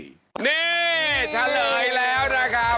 นี่เฉลยแล้วนะครับ